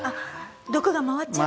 毒が回っちゃうから？